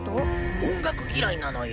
音楽嫌いなのよ。